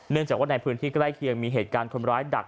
จากว่าในพื้นที่ใกล้เคียงมีเหตุการณ์คนร้ายดัก